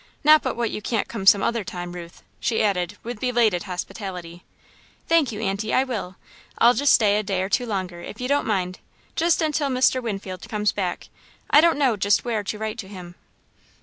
Not but what you can come some other time, Ruth," she added, with belated hospitality. "Thank you, Aunty, I will. I'll stay just a day or two longer, if you don't mind just until Mr. Winfield comes back. I don't know just where to write to him."